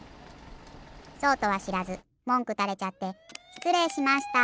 そうとはしらずもんくたれちゃってしつれいしました。